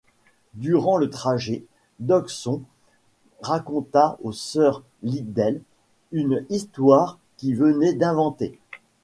Durant le trajet, Dodgson raconta aux sœurs Liddell une histoire qu'il venait d'inventer.